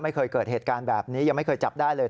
ไม่เคยเกิดเหตุการณ์แบบนี้ยังไม่เคยจับได้เลย